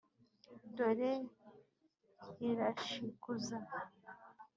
Dore irashikuza.